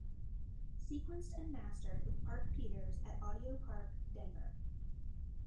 Sequenced and mastered with Park Peters at Audio Park, Denver.